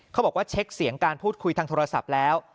บอกว่าเช็คเสียงการพูดคุยทางโทรศัพท์แล้ว